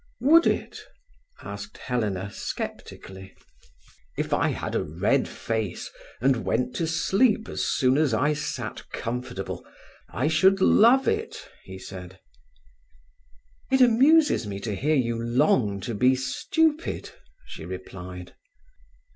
"Would it?" asked Helena sceptically. "If I had a red face, and went to sleep as soon as I sat comfortable, I should love it,"he said. "It amuses me to hear you long to be stupid," she replied.